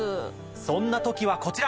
そんな時はこちら。